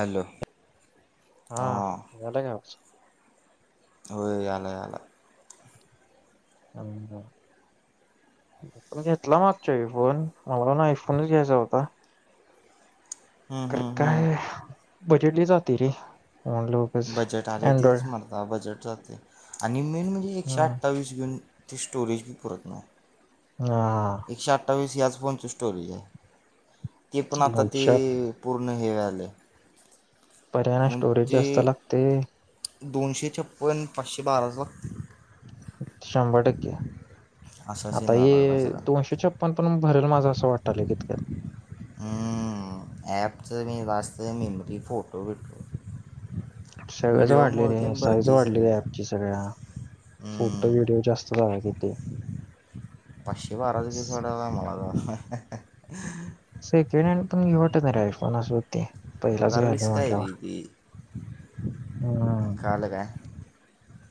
Hello हा हां झालं का हो याला याला आब [unintelligible] [unintelligible] [inaudible] मी घेतला मागच्या फोन मला ना आयफोनच घ्यायचा होता हम्म हम्म काय हम्म बजेटली जाते रे. म्हणलं उगाच बजट आली तेच अँड्रॉइड मारत बजट जात. आणि मेन म्हणजे एकशे हम्म अठ्ठावीस घेऊन त स्टोरेज बी पुरत नाही. हा एकशे अठ्ठावीस याज फोनचं स्टोरेज आहे. ते पण आता ते वैशात पूर्ण हे आलय. पर्याना स्टोरेज जास्त लागतय होय दोनशे छप्प्न पाचशे बारा लागतील शंभर टक्के असा सीन आता हे व्हायला लागला सगळा दोनशे छप्पन पण भरल माझ वाट ल क ॲपच म वात मेमरी फोटो भेटो सगळच वाढले र आहे साईज भरते वाढलेली सगळं आहे आपची सगळ्या फोटो हम्म व्हिडिओ जास्त झाला किथे पाचशे बाराजगीसोडाला मला तर सेकंड हँड पण घेवटतयश फोनस हो ते पहिलाच जरा घ्याला रिस्क आहे रे म्हटल्यावर ती हम् कळालं काय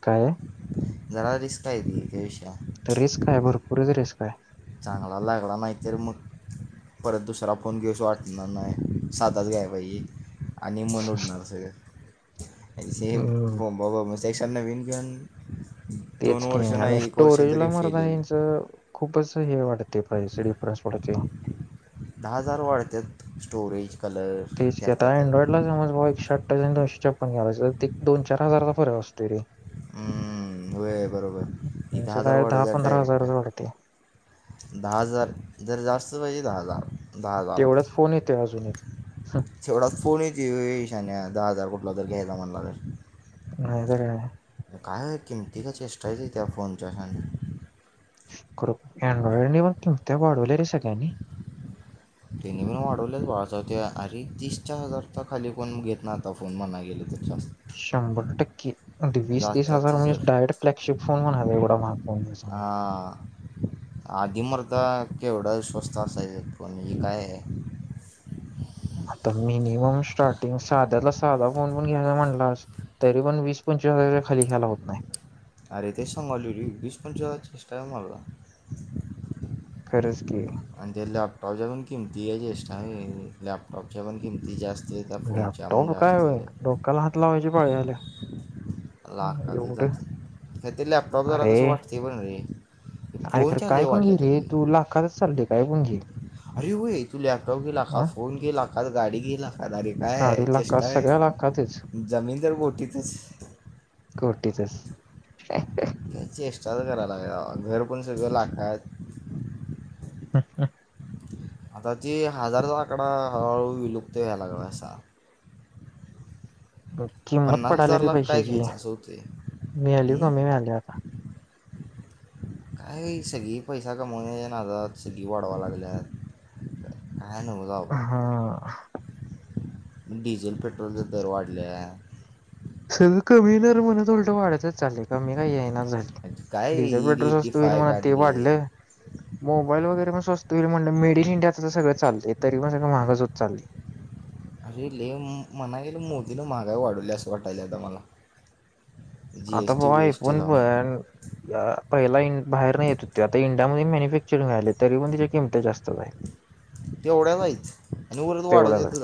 काय जरा रिस्क का आहे त कॅश तर रेस् काय भरपूरच रेस् काय तांग वला कड नाही त्रम परत दुसरा फोन घेस वाटणार नाही सातच घ्याय पाहिजे आणि मन उडणार स हम्म. बोंबाबोंब क्शनने विन घन तेच क आणि स्टोरेज ला मरता फेलेल यांच खूपच हे वाटतते डिफरन्स पडते दहा हजार वाढतात स्टोरेज कलर तेच त्यात कता त्यात अँड्रॉइड ला समज भाऊ एक दोनशे प्नलाय तर ते दोन चार हजारचारक असतते रे हम्म वेळ बरोबर इथे यांचं हजार काय वाड दहा दात पंधरा डायरेक्ट हजारच वाढते दहा हजार जर जास्त पाहिजे दहा हजार दहा हजार तेवढाच फोन येतोय अजून एक तेवढाच फोन तईशान दहा हजार कट आपलाद घ ज मनलाले हर आहे काय हो किमती का चेष्टायची त्या फोनच्या खरो अनड्रॉइड नाही बण तुम त्या वाढवले रे सगळ्यांनी त्याने मणून वाढवलेच बाळाचं ते अरे तीस चार हजार तर खाली कोण घेत ना आता फोन म्हणा गेले तरच्या शंभर टक्के वीस तीस हजार जात्यात सर म्हणजे डायरेक्ट फ्लॅगशिप फोन म्हणाला एवढा मग हा आधी मता केवढं स्वस्त असायचं पोण हे काय आहे आता मिनिमम स्टार्टिंग साध्याला साधा फोन पण घ्याला म्हणलास तरी पण वीस पंचवी हारच्या खाली ख्यायला होत नाही अरे तेच सांगाल वीस पण चेष्टा मारला खरज की आणि त्या लॅपटॉपच्या पण किमती या जेा लॅपटॉपच्या पण किमती जास्त आहे त्या फोनच्या पण लॅपटॉप काय जास्त व आहे लोकला हात लावायचे पाळी आल्या लाखात एवढं जाते का ते लॅपटॉप जरा तसं वाटते पण रे अरेखरं फोनच्या लय काय पण घे वाटल्या रे तरी तू लाखातच चाल र काय पण घे अरे हो ये तू लॅपटॉप गेला का अ फोन गेला का गाडी गेला कादारी काय आहे गाडी लाखात चेष्टा सगळ्या लाखातच आहे जमीन तर गोठीतच कोटीचच चेष्टाच करायला लागल घर पण सगळं लाखात ह ह आता ती हजारचा आकडा हळूहळू विलुपत व्हायलागसा किंमत पन्नास पडाली रे हजारला काय पैशाची घ्यायचं असं होते मिळाली कमी मिळाली आता [inaudible] काही सगळी पैसा कमावण्या नाजात सगळी वाढवा लागल्यात ह न ब जाव हा डिझेल पेट्रोलचे दर वाढले आहे सगळं कमी न म्हण लटं वाढतच चालेल कमी काही ये ना झा आणि काय डिझेल येईल पेट्रोल एटी स्स्त होईल फाय म्हणा ते काढले वाढलं. मोबाईल वगैरेण स्वस्त होईल म्हणल मेड इन इंडियाचं सगळ चालतय ते तरी पण सगळ महागाच होत चालले. [inaudible] अे लय म्हणा गेल मोदीन महागाई वाढवली असं वाटायला आता मला जी आता एस टी बाबा वी एस टी पण लावून प पहिला बाहेर नाही येत होते आता इंडियामध्ये म चिडून राहीलेत तरी पण त्याच्या किंमती जास्तच आहेत. तेवढ्याच आहेतच आणि उलट तेवढ्याच आहे वाढवतात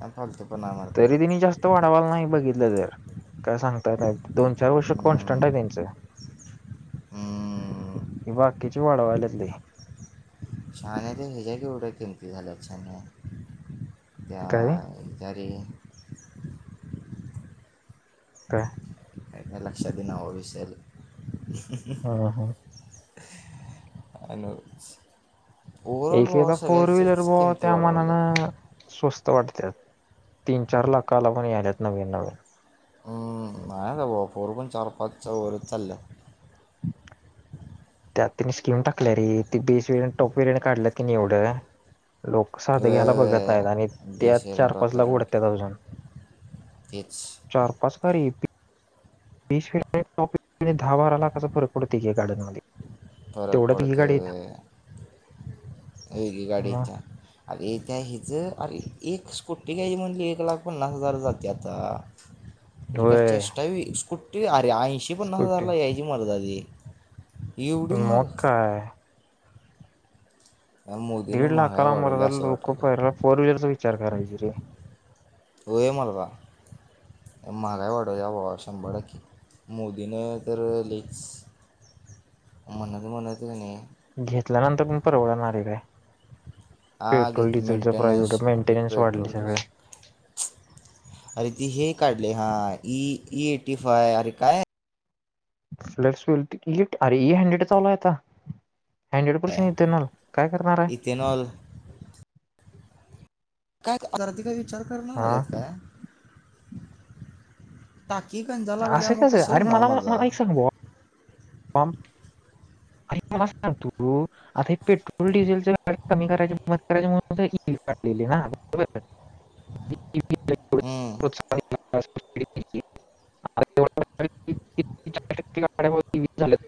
आणि फालतूपणा मारता तरी तिने जास्त वाढावाला नाही बघितलं तर. काय सांगतात दोन चार वर्ष कॉन्स्टंट आहे त्यांचं ह. हे बाकीची वाढवालेत लय. छान आहे तर ह्याच्या क एवढं किमती झाल्या छान आहे काय त्या, त्या रे का? काय लक्षात येईना बाबा विसरलं हम्म हम्म [inaudible] भावा एकदा फोर व्हीलर सगळ्याच्याच ब किमती त्या वाढवायला मनान स्वस्त‌. वाटते तीन चार लाख लागून याल्यात नवीन नवीन हम्म! नाय बाबा फोर पण चार पाच च्या वर चालल्यात. [inaudible] त्यातने स्किम टाकल्या रे त बेस वेळेने टॉप वेगरने काढलं की एवढं लोक साधे घ्यायला बघत नाहीत आणि वे त्या चार बेसरंट पाच ला ऑपेरंट उडत अजून तेच चार पाच का रे बीशॉप [inaudible] दहा बारा लाखाचा फरक पडतो गाड्यांमधे फरक पडतो. होय. वेगळी गाडी येत्या. मग आरे त्या हिच अरे एक स्कुटी घ्यायली म्हणजे एक लाख पन्नास हजार जाते आता र होय चेष्टा स्कुटी अरे ऐंशी पन्नास स्कूटी हजारला यायची मर्दा ती. एवढी मगं महाग काय. या मोदीनं दीड महागाई लाखाला वाढवली मर्दा असं लोकं वाटायला पहिला फोर व्हीलरचा विचार करायचे रे? होय मर्दा, महागाई वाढवल्या बाबा शंभर टक्के. मोदीन तर लईच म्हणत म्हणत नाही घेतल्यानंतर पण परवडणारे काय? आ पेट्रोल घेत डिझेलचं प्राईस मेंटेनन्स एवढं मेंटेनन्स वाढले पेट्रोलची सगळे अरे ती हे काढले हा ई एटी फाय अरे काय? [inaudible] हंड्रेड परसेट येताना. इथेनॉल. काय तर आथिर्क विचार करणा हा झालेत काय? टाकी गंजा लागल्या मग कसं होणार मार्दा. [inaudible] अ मला सांगतो आता हे पेट्रोल डिझेलचे दर कमी करायची [inaudible] काढलेली आहे ना. बरोबर. हम्म! [inaudible] [inaudible]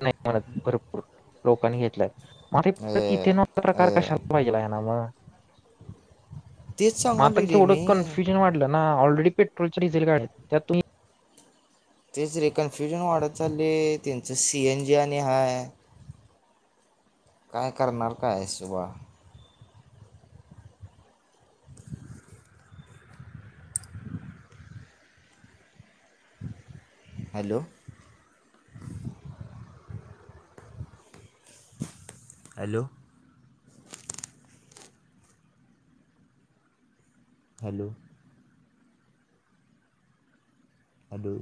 नाहीत भरपूर लोकांनी घेतला मग ते परत ए इथेना क प्रकार ए कशला पाहिजेला आहे ना मगं तेच म आता सांगावली रे केवढं मी कन्फ्युजन वाटलं ना ऑलरेडी पेट्रोलच्या, डिझेल गाड्या आहेत त्या तुम्ही तेचरी कन्फ्युजन वाढत चाललेय त्यांचं सीएन जी आणि हायं काय करणार कायं सुबा हॅलो? हॅलो? हॅलो? हँलो?